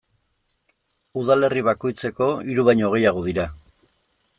Udalerri bakoitzeko hiru baino gehiago dira.